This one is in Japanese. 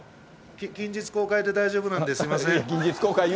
近日公開で大丈夫なんで、すみません。